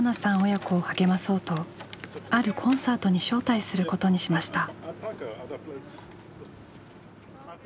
親子を励まそうとあるコンサートに招待することにしました。